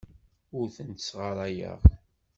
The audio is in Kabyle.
Ur tent-ssɣarayeɣ.